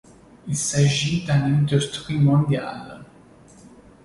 Il s'agit d'une industrie mondiale.